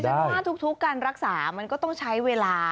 ในชั้นก็ทุกการรักษามันก็ต้องใช้เวลา